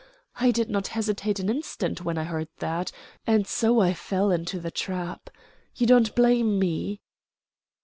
I did not hesitate an instant when I heard that, and so I fell into the trap. You don't blame me?"